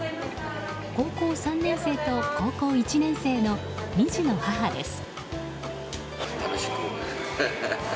高校３年生と高校１年生の２児の母です。